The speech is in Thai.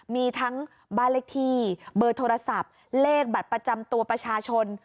มีทั้งบ้านเลขที่เบอร์โทรศัพท์เลขบัตรประจำตัวประชาชน